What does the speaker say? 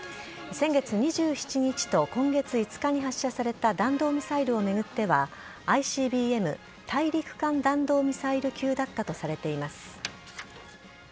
先月２７日と今月５日に発射された弾道ミサイルを巡っては、ＩＣＢＭ・大陸間弾道ミサイル級だったとされています。